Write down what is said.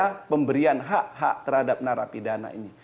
akan ada pemberian hak hak terhadap narapi dana ini